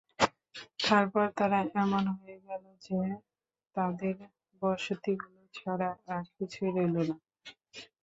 তারপর তারা এমন হয়ে গেল যে, তাদের বসতিগুলো ছাড়া আর কিছুই রইলো না।